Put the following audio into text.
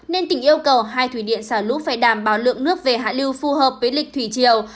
nên tỉnh yêu cầu hai thủy điện xả lũ phải đảm bảo lượng nước về hạ lưu phù hợp với lịch thủy triều